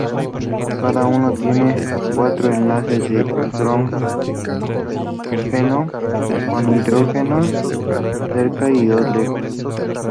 Cada uno tiene cuatro enlaces de hidrógeno, con dos hidrógenos cerca y dos lejos.